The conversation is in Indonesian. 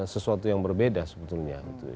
sesuatu yang berbeda sebetulnya